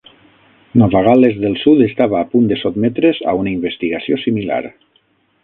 Nova Gal·les del Sud estava a punt de sotmetre's a una investigació similar.